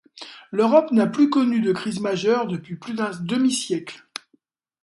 L'Europe n'a plus connu de crise majeure depuis plus d'un demi-siècle.